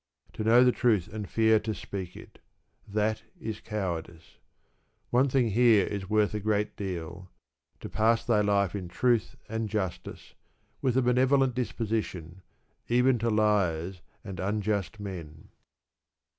To know the truth and fear to speak it: that is cowardice. One thing here is worth a good deal, to pass thy life in truth and justice, with a benevolent disposition, even to liars and unjust men.